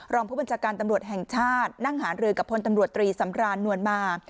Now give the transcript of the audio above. รองผู้บัญชาการตำรวจแห่งชาตินั่งหารือกับพลตำรวจตรีสำรานนวลมา